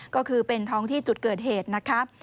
ก็คือเป็นท้องที่จุดเกิดเหตุนะครับ